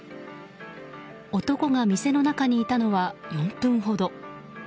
男が店の中にいたのは４分ほど。